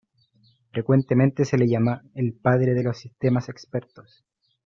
Frecuentemente se le llama "El Padre de los Sistemas Expertos".